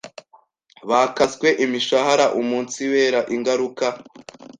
bakaswe imishahara umunsibera ingaruka